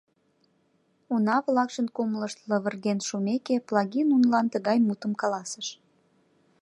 Уна-влакшын кумылышт лывырген шумеке, Плагий нунылан тыгай мутым каласыш: